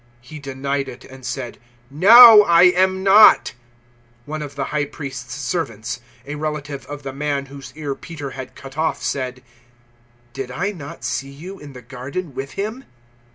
He denied it, and said, "No, I am not." 018:026 One of the High Priest's servants, a relative of the man whose ear Peter had cut off, said, "Did I not see you in the garden with him?"